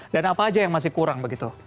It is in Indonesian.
apa aja yang masih kurang begitu